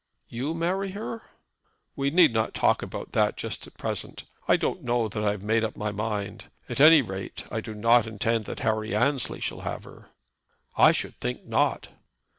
"You marry her!" "We need not talk about that just at present. I don't know that I've made up my mind. At any rate, I do not intend that Harry Annesley shall have her." "I should think not."